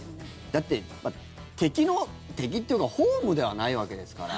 だって、敵っていうかホームではないわけですから。